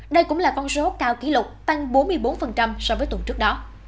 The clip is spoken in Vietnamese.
đây cũng là con số cao kỷ lục tăng bốn mươi bốn so với tuần trước đó